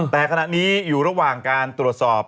แต่ขณะนี้อยู่ระหว่างการตรวจสอบ